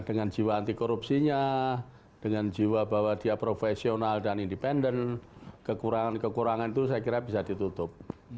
dengan jiwa anti korupsinya dengan jiwa bahwa dia profesional dan independen kekurangan kekurangan itu saya kira bisa ditutup